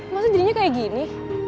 masih jadinya kayak gini